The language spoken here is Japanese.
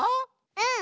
うん。